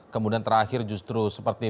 kemudian terakhir justru seperti